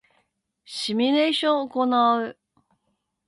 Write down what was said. シミュレーションを行う